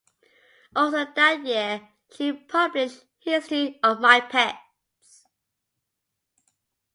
Also that year, she published "History of My Pets".